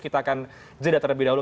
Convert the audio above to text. kita akan jeda terlebih dahulu